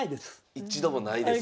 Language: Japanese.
一度もないですか？